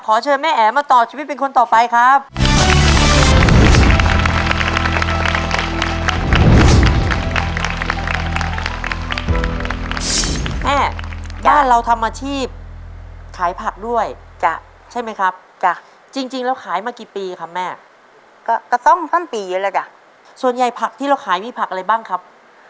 เชิญแม่แอ๋มาต่อชีวิตเป็นคนต่อไปครับ